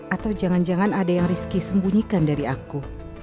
atau jangan jangan ada yang rizky sembunyikan dari aku